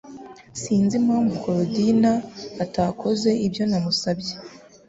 Sinzi impamvu Korodina atakoze ibyo namusabye